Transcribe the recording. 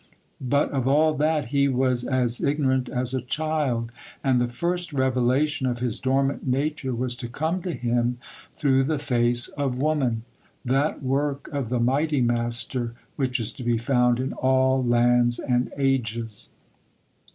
But of all that he was as ignorant as a child; and the first revelation of his dormant nature was to come to him through the face of woman,—that work of the Mighty Master which is to be found in all lands and ages.